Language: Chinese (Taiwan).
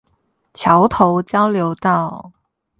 橋頭交流道